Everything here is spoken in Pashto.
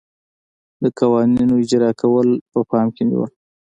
د قوانینو اجرا کول په پام کې نیول.